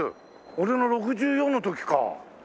俺が６４の時か。